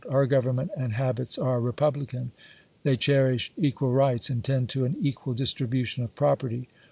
Our government and habits are republican ; they cherish equal rights, and tend to an equal distribution of property.